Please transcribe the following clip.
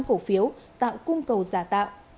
cổ phiếu tạo cung cầu giả tạo